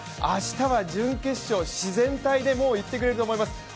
明日は準決勝、自然体でいってくれると思います。